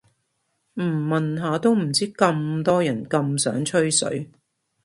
唔問下都唔知原來咁多人咁想吹水